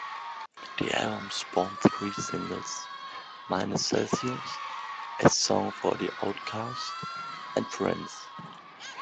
The album spawned three singles, "Minus Celsius", "A Song For The Outcast," and "Friends.